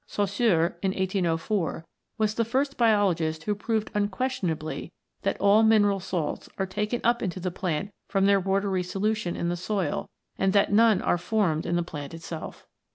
Saussure, in 1804, was the first biologist who proved unquestionably that all mineral salts are taken up into the plant from their watery solution, in the soil, and that none are formed in the plant itself.